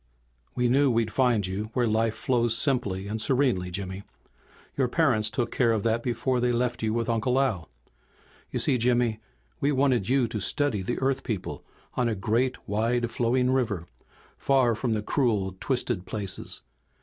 "We knew we'd find you where life flows simply and serenely, Jimmy. Your parents took care of that before they left you with Uncle Al. "You see, Jimmy, we wanted you to study the Earth people on a great, wide flowing river, far from the cruel, twisted places.